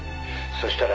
そしたら。